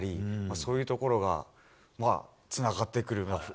そういうところがつながってくる。